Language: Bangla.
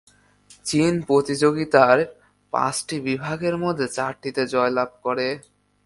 চীন প্রতিযোগিতার পাঁচটি বিভাগের মধ্যে চারটিতে জয়লাভ করে।